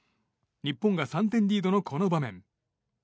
日本が３点リードのこの場面。